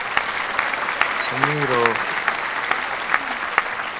سُمي رَ وَ